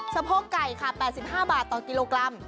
สะโพกไก่ค่ะ๘๕บาทต่อกิโลกรัม